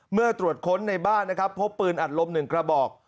เมื่อตรวจค้นในบ้านนะครับพบปืนอัดลม๑กระบอก